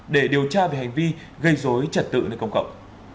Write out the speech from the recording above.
để điều tra về hành vi gây dối trật tự nơi công cộng